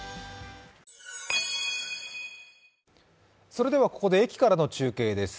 それでは、ここで駅からの中継です。